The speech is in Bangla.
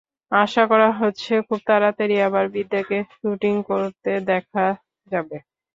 আশা করা হচ্ছে, খুব তাড়াতাড়ি আবার বিদ্যাকে শুটিং করতে দেখা যাবে।